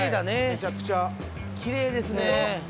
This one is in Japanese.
めちゃくちゃ綺麗ですね